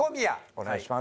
お願いします。